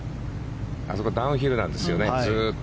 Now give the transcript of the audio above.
あそこダウンヒルなんですよね。